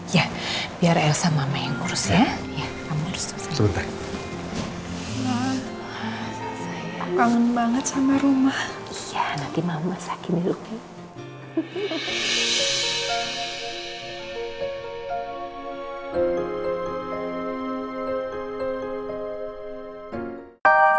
ya biar elsa mama yang ngurus ya